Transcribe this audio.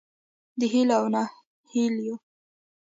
د هیلو او نهیلیو